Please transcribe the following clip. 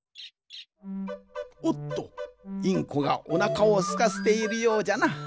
おっとインコがおなかをすかせているようじゃな。